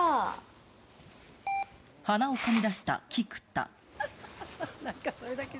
鼻をかみ出した菊田。